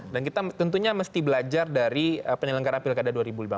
dan kita tentunya mesti belajar dari penyelenggara pilkada dua ribu lima belas